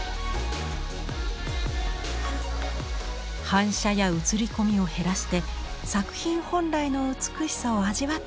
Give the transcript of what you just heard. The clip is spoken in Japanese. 反射や映り込みを減らして作品本来の美しさを味わってもらいたい。